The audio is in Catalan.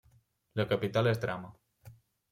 La capital és Drama.